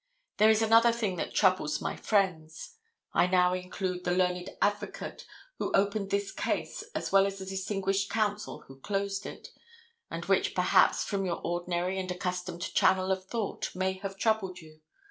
There is another thing that troubles my friends—I now include the learned advocate who opened this case as well as the distinguished counsel who closed it—and which perhaps from your ordinary and accustomed channel of thought may have troubled you.